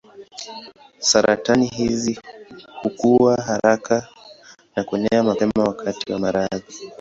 Saratani hizi hukua haraka na kuenea mapema wakati wa maradhi.